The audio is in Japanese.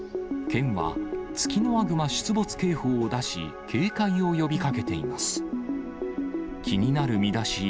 県はツキノワグマ出没警報を出し、警戒を呼びかけています。